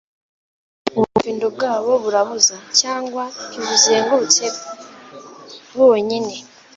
Ubufindo bwabo burabuza: cyangwa ntibuzengurutse bonyine